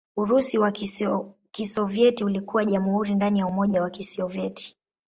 Urusi wa Kisovyeti ulikuwa jamhuri ndani ya Umoja wa Kisovyeti.